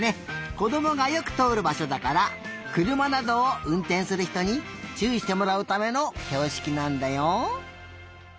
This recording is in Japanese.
こどもがよくとおるばしょだからくるまなどをうんてんするひとにちゅういしてもらうためのひょうしきなんだよ。